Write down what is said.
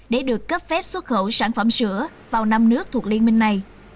để được cấp phép xuất khẩu sản phẩm sữa vào năm nước thuộc liên minh này